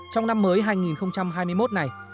trong năm mới hai nghìn hai mươi một